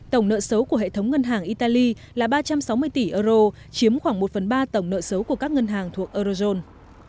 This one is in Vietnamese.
tổng nợ xấu của hệ thống ngân hàng italy là ba trăm sáu mươi tỷ euro chiếm khoảng một phần ba tổng nợ xấu của các ngân hàng thuộc eurozone